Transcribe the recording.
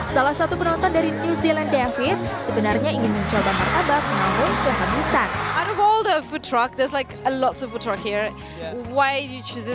saking larisnya beberapa food truck banyak yang sudah habis meski baru pukul lima sore